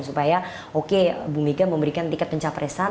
supaya oke bumiga memberikan tiket pencapresan